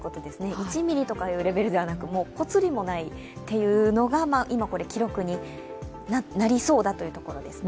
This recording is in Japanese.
１ミリというレベルではなく、もうぽつりもないというのが今、記録になりそうだというところですね。